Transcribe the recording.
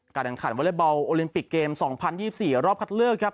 การแข่งขันเวลบาลโอลิมปิกเกมสองพันยี่สี่รอบคัดเลือกครับ